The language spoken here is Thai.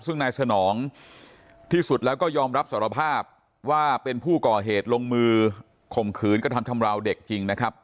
ซึ่งนายสนองที่สุดแล้วก็ยอมรับสารภาพว่าเป็นผู้ก่อเหตุลงมือข่มขืนกระทำชำราวเด็กจริงนะครับ